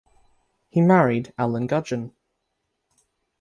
He married Ellen Gudgeon.